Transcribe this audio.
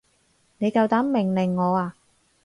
你夠膽命令我啊？